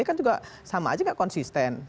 kan juga sama saja nggak konsisten